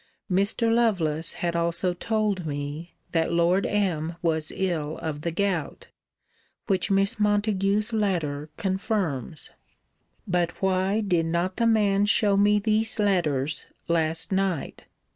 Mr. Lovelace had also told me, that Lord M. was ill of the gout; which Miss Montague's letter confirms. But why did not the man show me these letters last night?